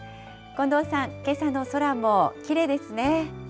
近藤さん、けさの空もきれいです